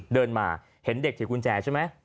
เดินมาเห็นเด็กถือกุญแจใช่ไหม